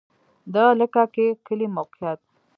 د لکه کی کلی موقعیت